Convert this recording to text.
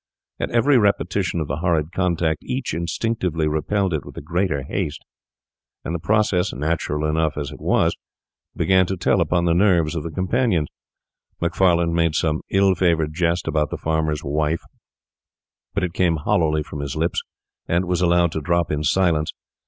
At every repetition of the horrid contact each instinctively repelled it with the greater haste; and the process, natural although it was, began to tell upon the nerves of the companions. Macfarlane made some ill favoured jest about the farmer's wife, but it came hollowly from his lips, and was allowed to drop in silence.